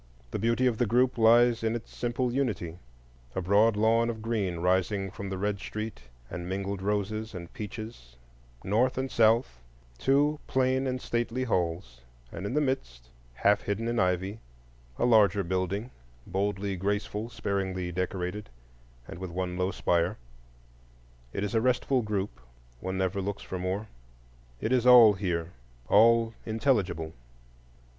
The beauty of the group lies in its simple unity:—a broad lawn of green rising from the red street and mingled roses and peaches; north and south, two plain and stately halls; and in the midst, half hidden in ivy, a larger building, boldly graceful, sparingly decorated, and with one low spire. It is a restful group, —one never looks for more; it is all here, all intelligible.